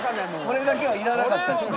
これだけはいらなかったですね。